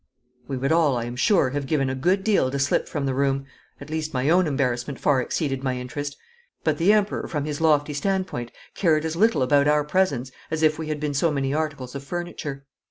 We would all, I am sure, have given a good deal to slip from the room at least, my own embarrassment far exceeded my interest but the Emperor from his lofty standpoint cared as little about our presence as if we had been so many articles of furniture.